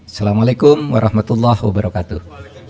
assalamualaikum warahmatullahi wabarakatuh